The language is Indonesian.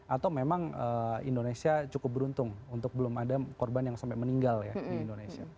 atau memang indonesia cukup beruntung untuk belum ada korban yang sampai meninggal ya di indonesia